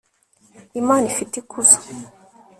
imana ifite ikuzo